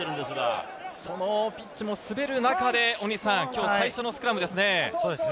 このピッチも滑る中で最初のスクラムですね。